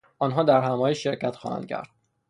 آنها هم در همایش شرکت خواهند کرد.